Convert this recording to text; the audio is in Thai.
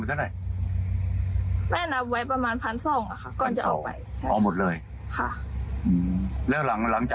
เขาก็เดินเข้ามาแล้วก็เอาตังค์ไป